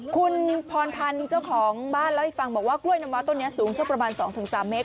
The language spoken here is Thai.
คุณพรพันธ์เจ้าของบ้านเล่าให้ฟังบอกว่ากล้วยน้ำว้าต้นนี้สูงสักประมาณ๒๓เมตร